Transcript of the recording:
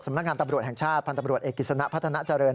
นักงานตำรวจแห่งชาติพันธ์ตำรวจเอกกิจสนะพัฒนาเจริญ